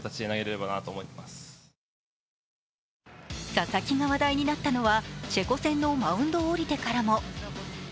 佐々木が話題になったのはチェコ戦のマウンドを降りてからも。